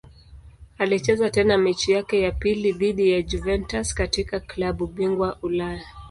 Alicheza tena mechi yake ya pili dhidi ya Juventus katika klabu bingwa Ulaya.